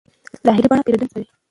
ظاهري بڼه پیرودونکی جذبوي.